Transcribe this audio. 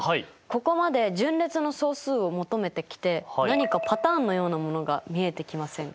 ここまで順列の総数を求めてきて何かパターンのようなものが見えてきませんか？